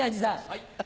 はい。